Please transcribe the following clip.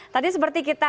tadi seperti kita